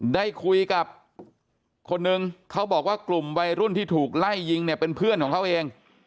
ได้คุยกับคนนึงเขาบอกว่ากลุ่มวัยรุ่นที่ถูกไล่ยิงเนี่ยเป็นเพื่อนของเขาเอง